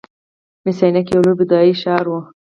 مس عینک یو لوی بودايي ښار و